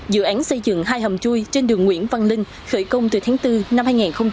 dự án xây dựng hai hầm chui trên đường nguyễn văn linh khởi công từ tháng bốn năm hai nghìn hai mươi